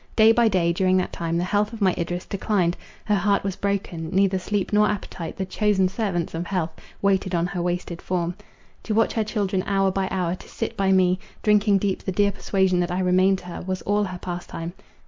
Day by day, during that time, the health of my Idris declined: her heart was broken; neither sleep nor appetite, the chosen servants of health, waited on her wasted form. To watch her children hour by hour, to sit by me, drinking deep the dear persuasion that I remained to her, was all her pastime.